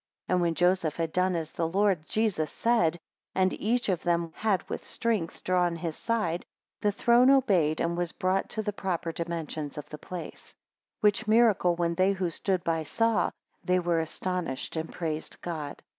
14 And when Joseph had done as the Lord Jesus said, and each of them had with strength drawn his side, the throne obeyed, and was brought to the proper dimensions of the place: 15 Which miracle when they who stood by saw, they were astonished, and praised God.